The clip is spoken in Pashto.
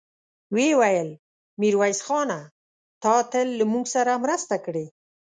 ويې ويل: ميرويس خانه! تا تل له موږ سره مرسته کړې.